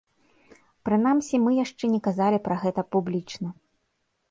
Прынамсі, мы яшчэ не казалі пра гэта публічна.